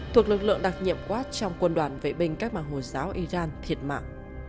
thuộc lực lượng đặc nhiệm quát trong quân đoàn vệ binh cách mạng hồi giáo iran thiệt mạng